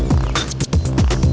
wah keren banget